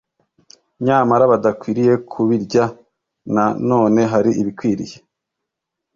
nyamara badakwiriye kubirya Na none hari ibikwiriye